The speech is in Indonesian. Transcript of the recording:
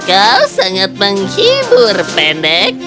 kau sangat menghibur pendek